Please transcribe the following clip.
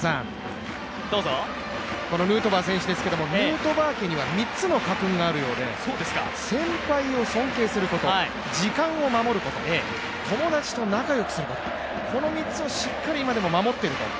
このヌートバー選手ですけど、ヌートバー家には３つの家訓があるようで先輩を尊敬すること、時間を守ること、友達と仲良くすること、この３つをしっかりと今でも守っていると。